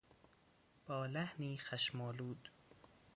با لحنی خشمآلود